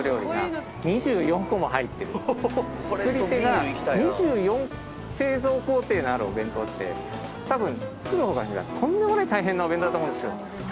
作り手が２４製造工程のあるお弁当ってたぶん作る方からしたらとんでもない大変なお弁当だと思うんですよ。